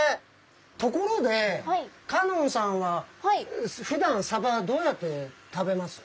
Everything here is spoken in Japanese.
ところで香音さんはふだんサバどうやって食べます？